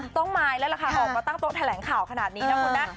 ต้องมายแล้วล่ะค่ะออกมาตั้งโต๊ะแถลงข่าวขนาดนี้นะคุณนะ